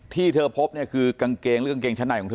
ที่เธอพบเนี่ยคือกางเกงหรือกางเกงชั้นในของเธอ